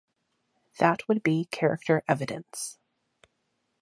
That would be character evidence.